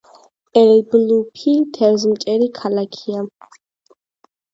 ელ-ბლუფი თევზმჭერი ქალაქია.